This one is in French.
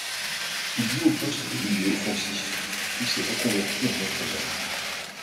Il joue au poste de milieu offensif puis s'est reconverti en entraineur.